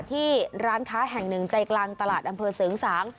ที่ร้านค้าแห่งหนึ่งใจกลางตลาดอำเภอเสริงสาง